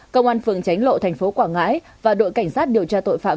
công an phường tránh lộ tp quảng ngãi và đội cảnh sát điều tra tội phạm